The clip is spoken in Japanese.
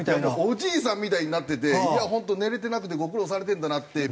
おじいさんみたいになってていや本当寝れてなくてご苦労されてるんだなって。